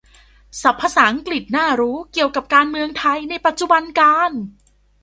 "ศัพท์ภาษาอังกฤษน่ารู้เกี่ยวกับการเมืองไทยในปัจจุบันกาล"